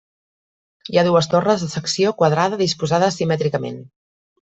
Hi ha dues torres de secció quadrada disposades simètricament.